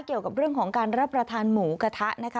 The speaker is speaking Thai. เกี่ยวกับเรื่องของการรับประทานหมูกระทะนะคะ